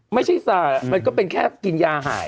มันก็เป็นแค่กินยาหาย